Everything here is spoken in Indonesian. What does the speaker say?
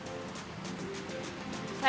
saya sudah pernah mencari mobil yang lebih menyenangkan